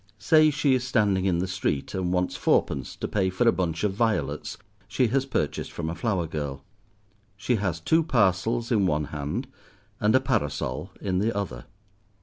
Say she is standing in the street, and wants fourpence to pay for a bunch of violets she has purchased from a flower girl. She has two parcels in one hand, and a parasol in the other.